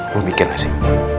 lo mikir gak sih